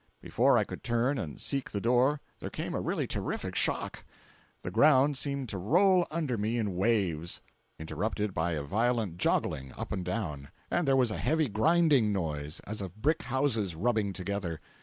Before I could turn and seek the door, there came a really terrific shock; the ground seemed to roll under me in waves, interrupted by a violent joggling up and down, and there was a heavy grinding noise as of brick houses rubbing together.